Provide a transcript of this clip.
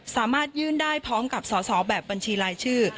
สามารถยื่นได้พร้อมกับสอสอแบบบัญชีรายชื่อ